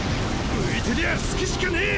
浮いてりゃ隙しかねェ！